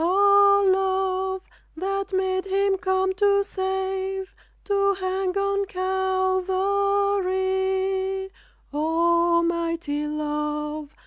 O, Love! that made Him come to save, To hang on Calvary, O mighty Love!